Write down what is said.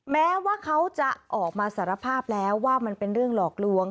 แม้ว่าเขาจะออกมาสารภาพแล้วว่ามันเป็นเรื่องหลอกลวง